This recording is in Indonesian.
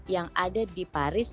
yang ada di paris